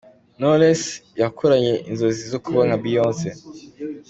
Knowless yakuranye inzozi zo kuba nka Beyonce.